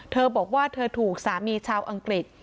เธอบอกว่าเธอถูกสามีชาวอังกฤษ